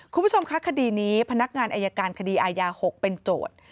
คุณผู้ชมคะคดีนี้พนักงานอายการคดีอายา๖เป็นโจทย์